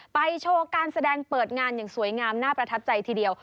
โชว์การแสดงเปิดงานอย่างสวยงามน่าประทับใจทีเดียว